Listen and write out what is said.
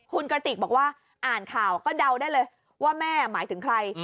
คุณกระติกบอกว่าอ่านข่าวก็เดาได้เลยว่าแม่หมายถึงใคร